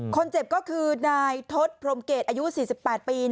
คนเจ็บก็คือนายทศพรมเกตอายุ๔๘ปี